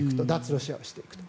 ロシアをしていくと。